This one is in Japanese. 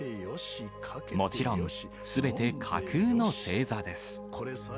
もちろん、すべて架空の星座です。